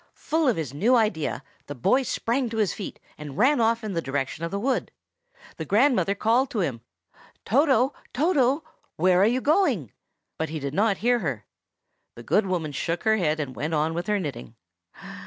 Full of his new idea, the boy sprang to his feet, and ran off in the direction of the wood. The grandmother called to him, "Toto! Toto! where are you going?" but he did not hear her. The good woman shook her head and went on with her knitting.